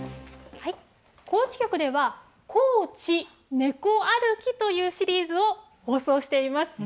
高知局では高知ネコ歩きというシリーズを放送しています。